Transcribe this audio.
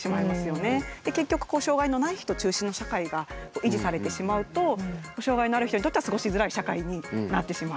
で結局障害のない人中心の社会が維持されてしまうと障害のある人にとっては過ごしづらい社会になってしまう。